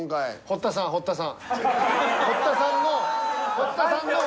堀田さんの。